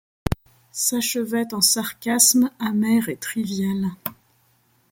S’achevaient en sarcasme amer et trivial ;